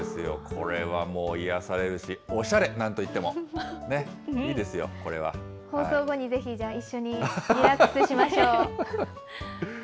これはもう癒やされるし、おしゃれ、なんといっても、ね、いいで放送後にぜひ、じゃあ一緒にリラックスしましょう。